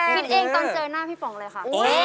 คิดเองตอนเจอหน้าพี่ป๋องเลยค่ะ